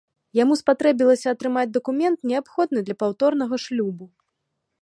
Яму спатрэбілася атрымаць дакумент, неабходны для паўторнага шлюбу.